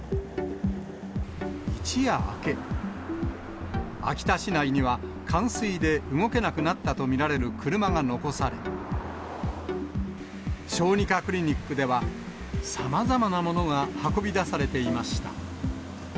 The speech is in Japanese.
一夜明け、秋田市内には、冠水で動けなくなったと見られる車が残され、小児科クリニックでは、さまざまなものが運び出されていました。